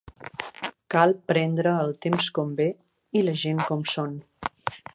Cal prendre el temps com ve i la gent com són.